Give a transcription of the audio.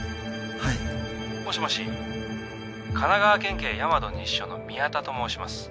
はい☎もしもし☎神奈川県警大和西署の宮田と申します